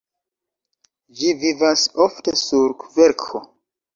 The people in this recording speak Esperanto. Ĝi vivas ofte sur kverko.